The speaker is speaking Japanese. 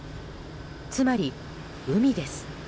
つまり、海です。